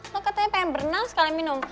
lo katanya pengen berenang sekali minum